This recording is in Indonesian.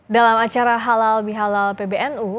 dalam acara halal bihalal pbnu